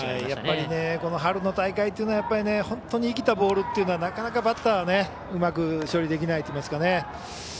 やっぱりこの春の大会っていうのは本当に生きたボールというのはなかなかバッターはうまく処理できないといいますか。